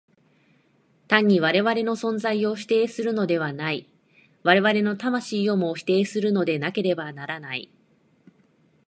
単に我々の存在を否定するのではない、我々の魂をも否定するのでなければならない。